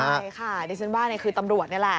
ใช่ค่ะดิฉันว่าคือตำรวจนี่แหละ